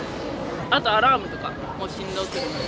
あとアラームとかも振動くるんで。